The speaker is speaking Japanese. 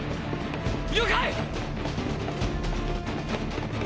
了解！！